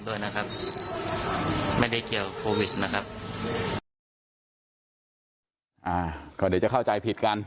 ก็เดี๋ยวจะเข้าใจผิดกัน